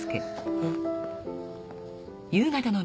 うん。